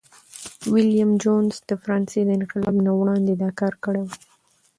ویلیم جونز د فرانسې د انقلاب نه وړاندي دا کار کړی و.